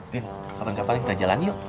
den kapan kapan kita jalan yuk